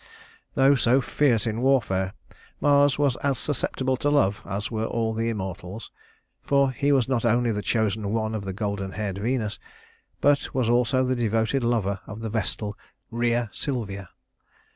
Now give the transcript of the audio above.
Though so fierce in warfare, Mars was as susceptible to love as were all the immortals; for he was not only the chosen one of golden haired Venus, but was also the devoted lover of the vestal Rhea Silvia.